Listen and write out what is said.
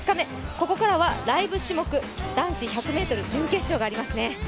ここからはライブ種目、男子１００ｍ準決勝がありますね。